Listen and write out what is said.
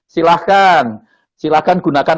silahkan silahkan gunakan